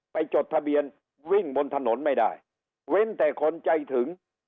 จดทะเบียนวิ่งบนถนนไม่ได้เว้นแต่คนใจถึง